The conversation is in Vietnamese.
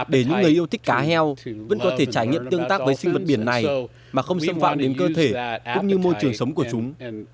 để những người yêu thích cá heo vẫn có thể trải nghiệm tương tác với sinh vật biển này mà không xâm phạm đến cơ thể cũng như môi trường sống của chúng